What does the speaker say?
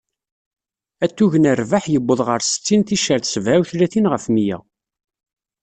Atug n rrbeḥ yewweḍ ɣer settin ticcert sebεa u tlatin ɣef mya..